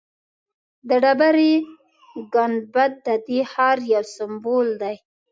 د ډبرې ګنبد ددې ښار یو سمبول دی.